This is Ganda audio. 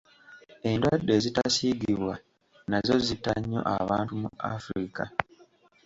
Endwadde ezitasiigibwa nazo zitta nnyo abantu mu Africa.